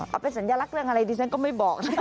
เอาเป็นสัญลักษณ์เรื่องอะไรดิฉันก็ไม่บอกนะ